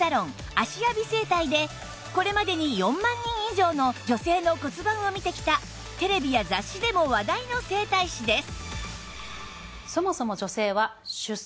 芦屋美整体でこれまでに４万人以上の女性の骨盤を見てきたテレビや雑誌でも話題の整体師です